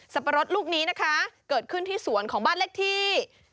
ปะรดลูกนี้นะคะเกิดขึ้นที่สวนของบ้านเลขที่